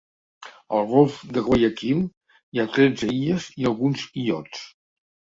Al golf de Guayaquil hi ha tretze illes i alguns illots.